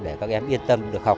để các em yên tâm được học